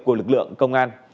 của lực lượng công an